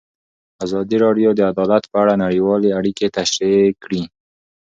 ازادي راډیو د عدالت په اړه نړیوالې اړیکې تشریح کړي.